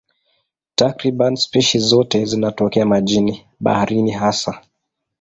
Takriban spishi zote zinatokea majini, baharini hasa.